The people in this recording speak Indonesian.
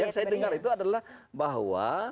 yang saya dengar itu adalah bahwa